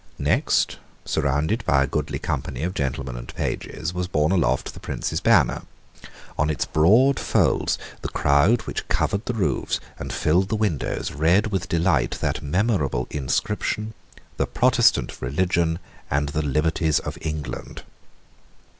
Next, surrounded by a goodly company of gentlemen and pages, was borne aloft the Prince's banner. On its broad folds the crowd which covered the roofs and filled the windows read with delight that memorable inscription, "The Protestant religion and the liberties of England."